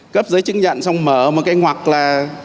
cấp giấy chứng nhận xong mở một cái hoặc là